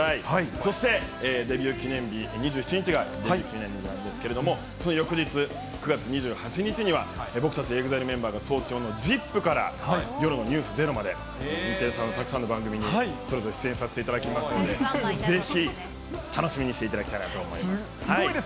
そしてデビュー記念日、２７日が記念日なんですけれども、その翌日、９月２８日には、僕たちＥＸＩＬＥメンバーが早朝のＺＩＰ！から夜のｎｅｗｓｚｅｒｏまで、日テレさんのたくさんの番組にそれぞれ出演させていただきますので、ぜひ楽しみにしていただきたいなと思います。